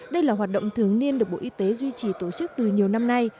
đây là hoạt động thường niên được bộ y tế duy trì tổ chức từ nhiều năm nay